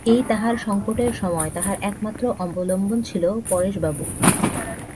এই তাহার সংকটের সময় তাহার একমাত্র অবলম্বন ছিল পরেশবাবু।